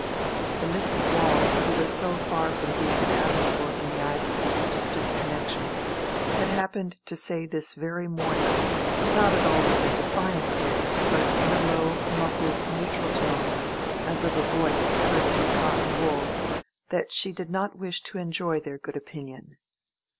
The Mrs. Waule who was so far from being admirable in the eyes of these distant connections, had happened to say this very morning (not at all with a defiant air, but in a low, muffled, neutral tone, as of a voice heard through cotton wool) that she did not wish "to enjoy their good opinion."